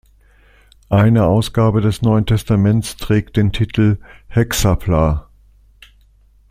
Eine Ausgabe des Neuen Testaments trägt den Titel „Hexapla“.